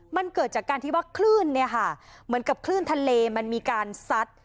มันเกิดจากการที่ว่าคลื่นเนี่ยค่ะเหมือนกับคลื่นทะเลมันมีการซัด